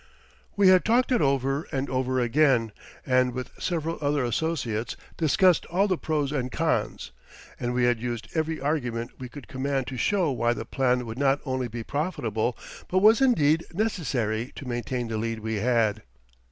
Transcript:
We had talked it over and over again, and with several other associates discussed all the pros and cons; and we had used every argument we could command to show why the plan would not only be profitable, but was indeed necessary to maintain the lead we had.